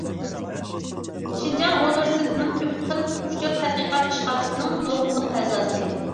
شىنجاڭ ئۇنىۋېرسىتېتىنىڭ كۆپ خىل ئۇچۇر تەتقىقات ئىشخانىسىنىڭ نۇقتىلىق ئەزاسى.